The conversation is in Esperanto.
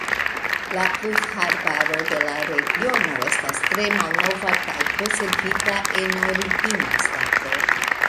La pluvarbaro de la regiono estas tre malnova kaj konservita en origina stato.